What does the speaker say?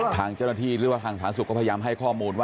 ทางเจ้าหน้าที่หรือว่าทางสาธารณสุขก็พยายามให้ข้อมูลว่า